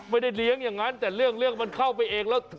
ไม่ได้เลี้ยงอย่างนั้นแต่เรื่องมันเข้าไปเองแล้ว